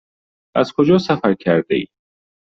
از کجا سفر کرده اید؟